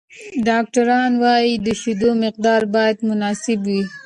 ډاکټران وايي، د شیدو مقدار باید مناسب وي.